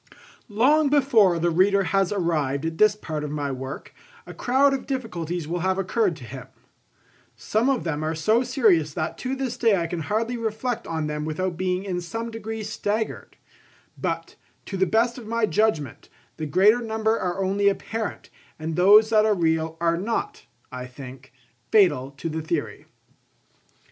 Long before the reader has arrived at this part of my work, a crowd of difficulties will have occurred to him. Some of them are so serious that to this day I can hardly reflect on them without being in some degree staggered; but, to the best of my judgment, the greater number are only apparent, and those that are real are not, I think, fatal to the theory.